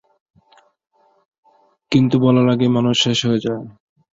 কিন্তু বলার আগেই মানুষ শেষ হয়ে যায়।